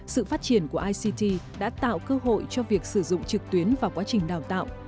sự phát triển của ict đã tạo cơ hội cho việc sử dụng trực tuyến vào quá trình đào tạo